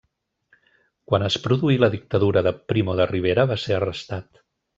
Quan es produí la dictadura de Primo de Rivera va ser arrestat.